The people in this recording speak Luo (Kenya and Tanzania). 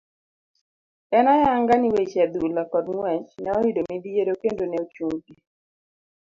En ayanga ni weche adhula kod ngwech ne oyudo midhiero kendo ne ochung' gi.